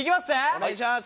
お願いします。